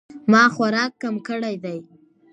ما خوراک کم کړی دی